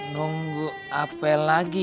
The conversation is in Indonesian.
nunggu apel lagi